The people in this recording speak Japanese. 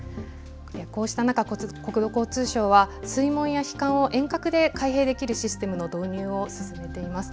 こうした中、国土交通省は水門や樋管を遠隔で開閉できるシステムの導入を進めています。